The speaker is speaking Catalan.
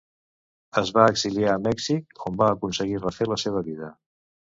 Es va exiliar a Mèxic, on va aconseguir refer la seva vida.